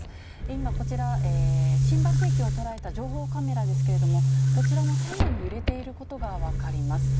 今、こちら、新橋駅を捉えた情報カメラですけれども、こちらも左右に揺れていることが分かります。